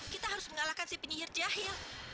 kita harus mengalahkan si penyihir jahil